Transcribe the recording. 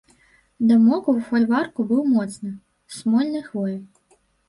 Дамок у фальварку быў моцны, з смольнай хвоі.